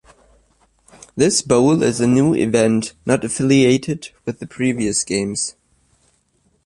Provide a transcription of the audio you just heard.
This bowl is a new event not affiliated with the previous games.